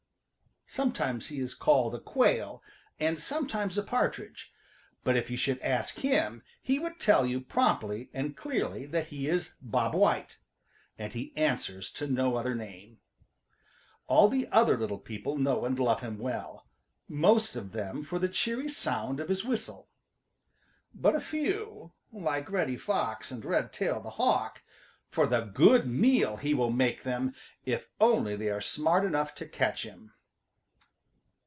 Sometimes he is called a Quail and sometimes a Partridge, but if you should ask him he would tell you promptly and clearly that he is Bob White, and he answers to no other name. All the other little people know and love him well, most of them for the cheery sound of his whistle; but a few, like Reddy Fox and Redtail the Hawk, for the good meal he will make them if only they are smart enough to catch him.